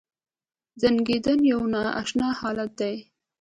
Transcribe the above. ځنکدن یو نا اشنا حالت دی .